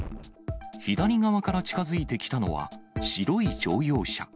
左側から近づいてきたのは、白い乗用車。